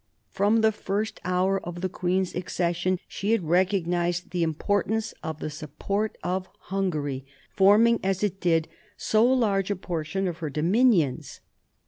From the first hour of the queen's accession she had recognised the importance of the support of Hungary, forming as it did so large a portion of her dominions.